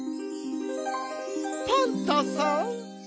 パンタさん